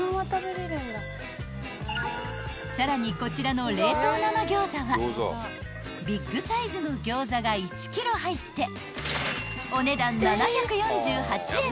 ［さらにこちらの冷凍生餃子はビッグサイズの餃子が１ｋｇ入ってお値段］